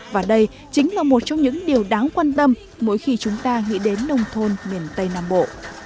và đây chính là một trong những điều đáng quan tâm mỗi khi chúng ta nghĩ đến nông thôn miền tây nam bộ